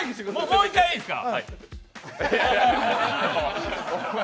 もう一回いいですか？